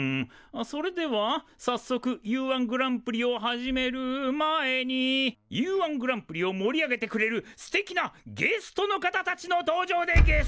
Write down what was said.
それではさっそくＵ−１グランプリを始める前にＵ−１グランプリを盛り上げてくれるすてきなゲストの方たちの登場でゲス！